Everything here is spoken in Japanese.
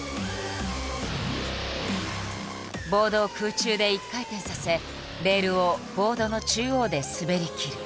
ボードを空中で１回転させレールをボードの中央で滑りきる。